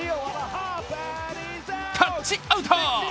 タッチアウト！